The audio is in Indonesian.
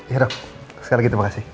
ya dok sekali lagi terima kasih